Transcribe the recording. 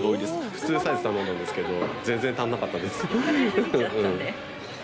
普通サイズ頼んだんですけど全然足りなかったです